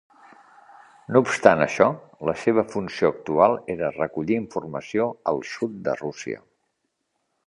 No obstant això, la seva funció actual era recollir informació al sud de Rússia.